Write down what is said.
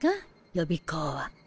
予備校は。